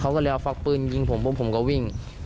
เขาก็เลยเอาฟักปืนยิงผมปุ๊บผมก็วิ่ง